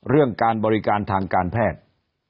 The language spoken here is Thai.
เรื่องการบริการทางการแพทย์